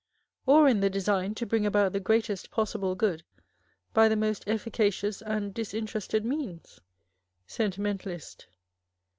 Or in the design to bring about the greatest possible good by the most efficacious and disinterested means ? Sentimentalist.